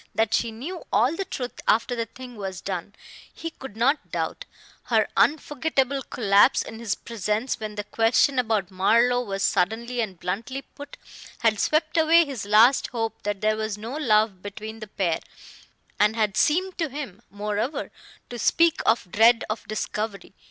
That she knew all the truth after the thing was done, he could not doubt; her unforgettable collapse in his presence when the question about Marlowe was suddenly and bluntly put had swept away his last hope that there was no love between the pair, and had seemed to him, moreover, to speak of dread of discovery.